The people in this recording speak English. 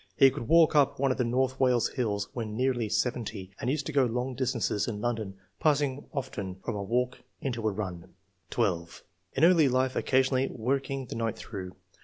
He could walk up one of the North Wales hills when nearly seventy, and used to go long distances in London, passing often from a walk into a run." 12. "In early life, occasionally working the night through.